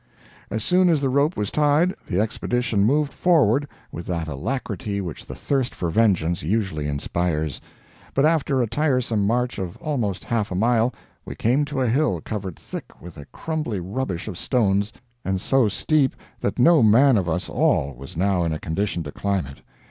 As soon as the rope was tied, the Expedition moved forward with that alacrity which the thirst for vengeance usually inspires. But after a tiresome march of almost half a mile, we came to a hill covered thick with a crumbly rubbish of stones, and so steep that no man of us all was now in a condition to climb it.